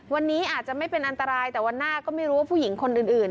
วันนี้อาจจะไม่เป็นอันตรายแต่วันหน้าก็ไม่รู้ว่าผู้หญิงคนอื่น